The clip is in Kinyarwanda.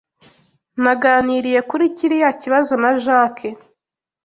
Naganiriye kuri kiriya kibazo na Jack.